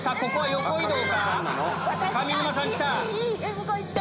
向こう行って。